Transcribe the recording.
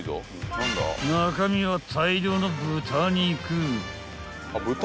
［中身は大量の豚肉］